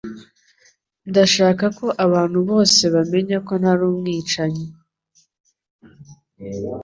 Ndashaka ko abantu bose bamenya ko ntari umwicanyi